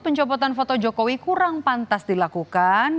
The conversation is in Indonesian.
pencopotan foto jokowi kurang pantas dilakukan